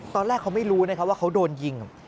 ตอนแรกเขาไม่รู้นะครับว่าเขาโดนยิง